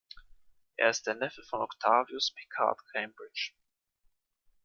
Er ist der Neffe von Octavius Pickard-Cambridge.